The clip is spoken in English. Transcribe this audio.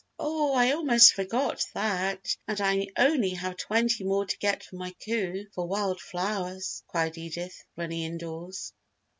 "Oh, I almost forgot that! And I only have twenty more to get for my coup for wild flowers," cried Edith, running indoors.